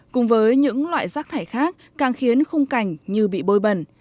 cùng với những loại rác thải khác càng khiến khung cảnh như bị bôi bẩn